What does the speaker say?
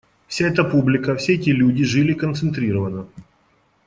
Вся эта публика, все эти люди жили концентрированно.